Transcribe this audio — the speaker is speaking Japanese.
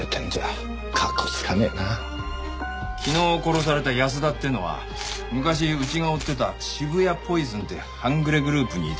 昨日殺された安田ってのは昔うちが追ってた渋谷ポイズンという半グレグループにいた男だ。